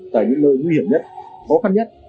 tại những nơi nguy hiểm nhất khó khăn nhất